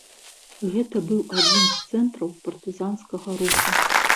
Гэта быў адзін з цэнтраў партызанскага руху.